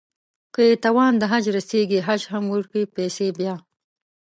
که يې توان د حج رسېږي حج هم وکړي پسې بيا